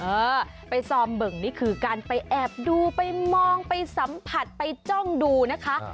เออไปซอมเบิ่งนี่คือการไปแอบดูไปมองไปสัมผัสไปจ้องดูนะคะ